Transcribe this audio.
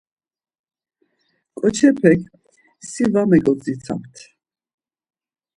Ǩoçepek, Si var megodzitsamt.